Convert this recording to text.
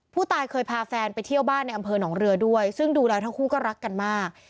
ผู้ตายเคยพาแฟนไปเที่ยวบ้านในอำเภอหนองเรือด้วยซึ่งดูแล้วทั้งคู่ก็รักกันมาก